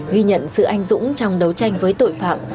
ghi nhận sự anh dũng trong đấu tranh với tội phạm